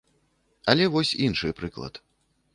Але вось іншы прыклад.